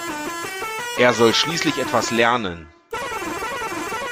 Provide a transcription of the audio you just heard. Er soll schließlich etwas lernen.